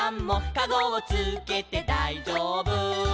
「かごをつけてだいじょうぶ」